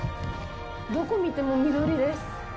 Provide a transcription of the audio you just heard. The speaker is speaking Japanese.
どこを見ても緑です！